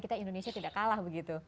kita indonesia tidak kalah begitu